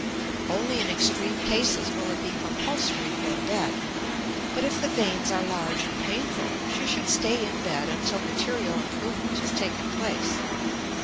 Only in extreme cases will it be compulsory to go to bed. But, if the veins are large and painful, she should stay in bed until material improvement has taken place.